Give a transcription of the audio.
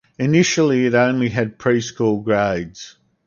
Initially it only had preschool grades.